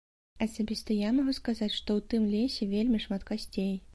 Асабіста я магу сказаць, што ў тым лесе вельмі шмат касцей.